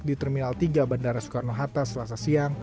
di terminal tiga bandara soekarno hatta selasa siang